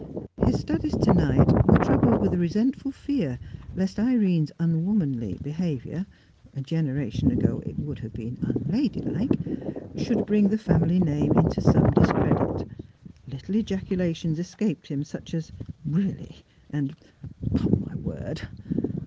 His studies to night were troubled with a resentful fear lest Irene's "unwomanly" behaviour (a generation ago it would have been "unladylike") should bring the family name into some discredit. Little ejaculations escaped him, such as "Really!" and "Upon my word!"